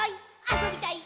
あそびたい！」